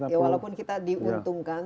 ya walaupun kita diuntungkan